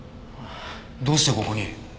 どうしてここに。